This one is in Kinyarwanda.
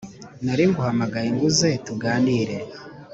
naringuhamagaye ngo uze tuganire”